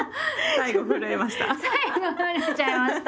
最後震えちゃいました。